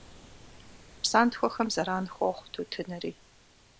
Псантхуэхэм зэран хуохъу тутынри.